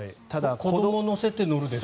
子どもを乗せて乗るでしょ？